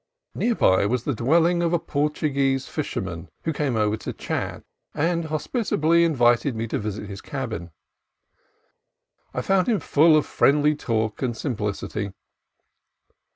Near by was the dwelling of a Portuguese fisher man, who came over to chat, and hospitably invited me to visit his cabin. I found him full of friendly talk and simplicity.